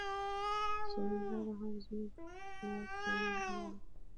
زموږ ژبه هم زموږ د نارينواکۍ رڼه هېنداره ده.